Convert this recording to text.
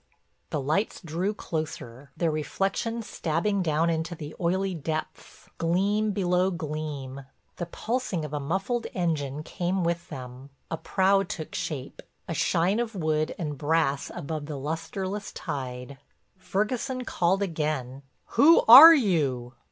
The lights drew closer, their reflections stabbing down into the oily depths, gleam below gleam. The pulsing of a muffled engine came with them, a prow took shape, a shine of wood and brass above the lusterless tide. Ferguson called again: "Who are you?"